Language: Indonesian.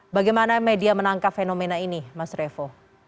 bagaimana media menangkap fenomena ini mas revo